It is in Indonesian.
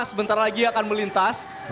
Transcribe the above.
sebentar lagi akan melintas